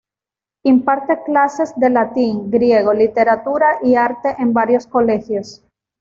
Imparte clases de latín, griego, literatura y arte en varios colegios.